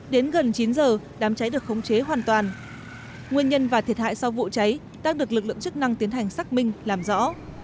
đến gần chín giờ đám cháy được khống chế hoàn toàn nguyên nhân và thiệt hại sau vụ cháy đang được lực lượng chức năng tiến hành xác minh làm rõ